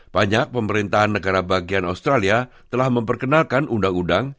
banyak pemerintahan negara bagian australia telah memperkenalkan undang undang